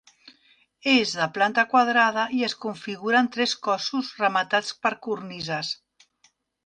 És de planta quadrada i es configura en tres cossos rematats per cornises.